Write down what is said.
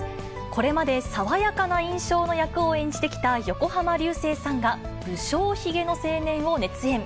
これまで爽やかな印象の役を演じてきた横浜流星さんが、不精ひげの青年を熱演。